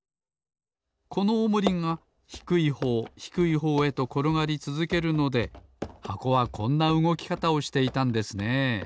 このおもりがひくいほうひくいほうへところがりつづけるので箱はこんなうごきかたをしていたんですねえ。